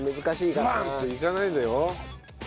ズバン！っていかないでよ。